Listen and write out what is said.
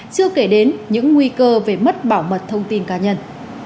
chưa kể đến những nguy cơ về mất bảo mật thông tin cá nhân